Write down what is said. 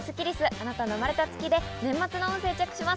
あなたの生まれた月で年末の運勢チェックします。